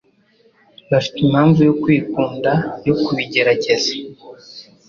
Bafite impamvu yo kwikunda yo kubigerageza.